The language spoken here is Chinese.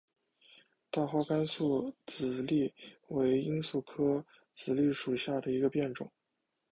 大花甘肃紫堇为罂粟科紫堇属下的一个变种。